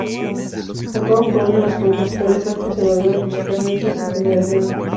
Jacob fue uno de los compositores más conservadores musicalmente de su generación.